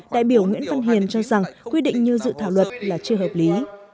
đại biểu nguyễn văn hiền cho rằng quy định như dự thảo luật là chưa hợp lý